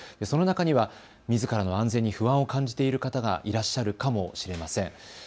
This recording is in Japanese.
その中にはみずからの安全に不安を感じている方がいらっしゃるかもしれません。